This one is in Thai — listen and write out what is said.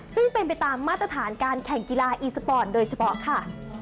ซึ่งเป็นไปตามมาตรฐานการแข่งกีฬาอีสปอร์ตโดยเฉพาะค่ะ